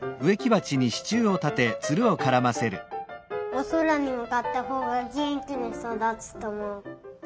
おそらにむかったほうがげんきにそだつとおもう。